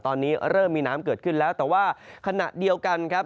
ตอนนี้เริ่มมีน้ำเกิดขึ้นแล้วแต่ว่าขณะเดียวกันครับ